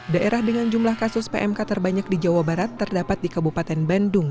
daerah dengan jumlah kasus pmk terbanyak di jawa barat terdapat di kabupaten bandung